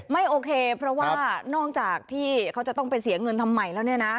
ไม่โอเคเพราะว่านอกจากที่เขาจะต้องไปเสียเงินทำใหม่แล้วเนี่ยนะ